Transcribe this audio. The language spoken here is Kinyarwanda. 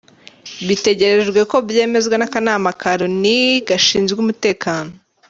Bitegerejwe ko byemezwa n’Akanama ka Loni Gashinzwe Umutekano.